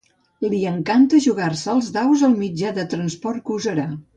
Li encanta jugar-se als daus el mitjà de transport que usarà.